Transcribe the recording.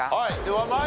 はい。